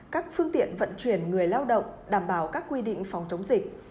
các phương tiện vận chuyển người lao động đảm bảo các quy định phòng chống dịch